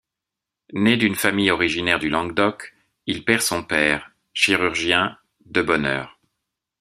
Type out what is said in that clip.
Né d'un famille originaire du Languedoc, il perd son père, chirurgien, de bonne heure.